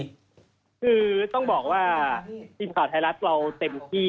คือต้องบอกว่าทีมข่าวไทยรัฐเราเต็มที่